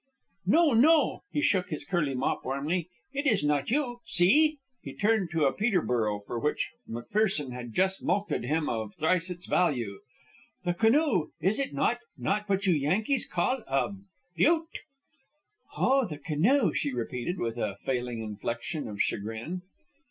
"No! No!" He shook his curly mop warmly. "It is not you. See!" He turned to a Peterborough, for which McPherson had just mulcted him of thrice its value. "The canoe! Is it not not what you Yankees call a bute?" "Oh, the canoe," she repeated, with a falling inflection of chagrin.